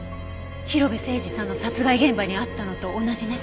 広辺誠児さんの殺害現場にあったのと同じね。